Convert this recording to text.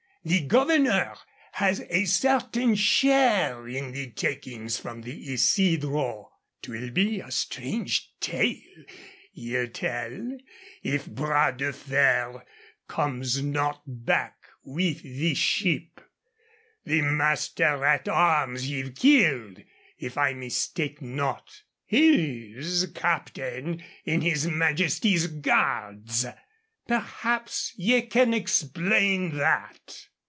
The governor has a certain share in the takings from the Isidro. 'Twill be a strange tale ye'll tell if Bras de Fer comes not back with the ship. The master at arms ye've killed, if I mistake not. He's captain in his Majesty's Guards. Perhaps ye can explain that."